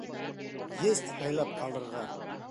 Есть һайлап алырға!